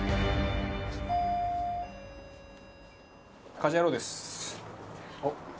『家事ヤロウ！！！』です。